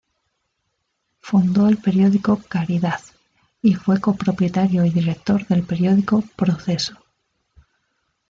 Fundó el periódico "Caridad" y fue copropietario y director del periódico "Proceso".